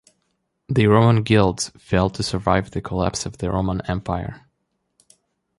The Roman guilds failed to survive the collapse of the Roman Empire.